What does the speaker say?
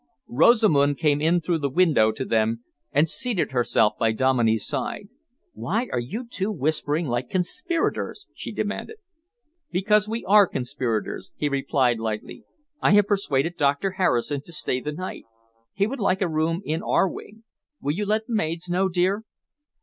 Rosamund came in through the window to them and seated herself by Dominey's side. "Why are you two whispering like conspirators?" she demanded. "Because we are conspirators," he replied lightly. "I have persuaded Doctor Harrison to stay the night. He would like a room in our wing. Will you let the maids know, dear?"